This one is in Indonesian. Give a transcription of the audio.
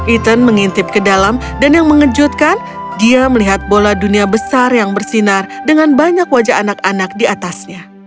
ethan mengintip ke dalam dan yang mengejutkan dia melihat bola dunia besar yang bersinar dengan banyak wajah anak anak di atasnya